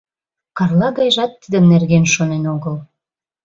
Карла гайжат тидын нерген шонен огыл.